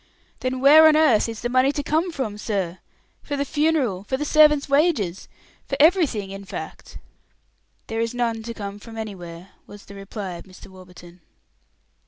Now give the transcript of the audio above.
"Then where on earth is the money to come from, sir? For the funeral for the servants' wages for everything, in fact?" "There is none to come from anywhere," was the reply of Mr. Warburton.